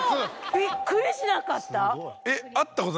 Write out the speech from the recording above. びっくりしなかった？